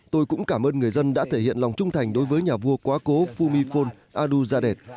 tôi cũng cảm ơn người dân đã thể hiện lòng trung thành đối với nhà vua quá cố fumifon aduzadeh